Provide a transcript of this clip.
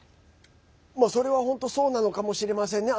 それは本当そうなのかもしれませんね。